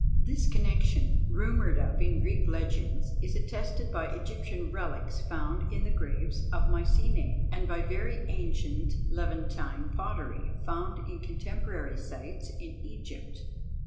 This connection, rumoured of in Greek legends, is attested by Egyptian relics found in the graves of Mycenae, and by very ancient Levantine pottery, found in contemporary sites in Egypt.